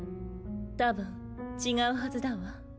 多分違うはずだわ。